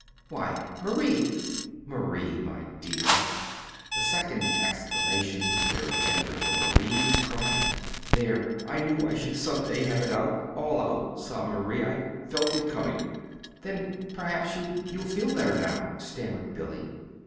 "Why, Marie! Marie, my dear!" The second exclamation was very tender, for Marie was crying. "There! I knew I should some day have it out all out," sobbed Marie. "I felt it coming." "Then perhaps you'll you'll feel better now," stammered Billy.